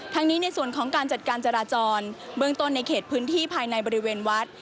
นี้ในส่วนของการจัดการจราจรเบื้องต้นในเขตพื้นที่ภายในบริเวณวัด